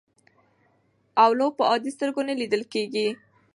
اولو په عادي سترګو نه لیدل کېږي.